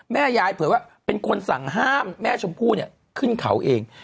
แม่ยายเผยว่าเป็นคนสั่งห้ามแม่ชมพู่ขึ้นเขาเอง